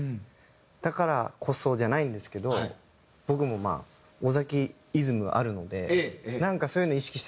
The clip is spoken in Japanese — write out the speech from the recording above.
だからこそじゃないんですけど僕もまあ尾崎イズムあるのでなんかそういうの意識したりしますね。